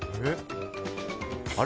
あれ？